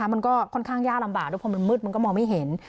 มันก็ค่อนข้างยากลำบากด้วยพอมันมืดมันก็มองไม่เห็น